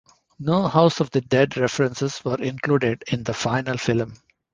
No "House of the Dead" references were included in the final film.